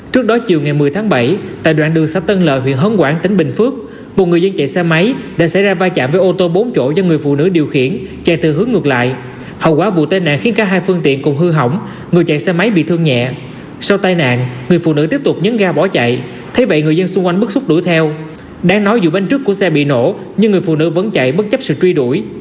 trước đó chiều ngày một mươi tháng bảy tại đoạn đường xã tân lợi huyện hấn quảng tỉnh bình phước một người dân chạy xe máy đã xảy ra vai chạm với ô tô bốn chỗ do người phụ nữ điều khiển chạy từ hướng ngược lại hậu quả vụ tai nạn khiến cả hai phương tiện cùng hư hỏng người chạy xe máy bị thương nhẹ sau tai nạn người phụ nữ tiếp tục nhấn ga bỏ chạy thấy vậy người dân xung quanh bức xúc đuổi theo đáng nói dù bên trước của xe bị nổ nhưng người phụ nữ vẫn chạy bất chấp sự truy đuổi